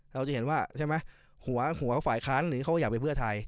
เราจะเห็นว่าหัวฝ่ายค้านั้นเขาก็อยากไปเพื่อไทย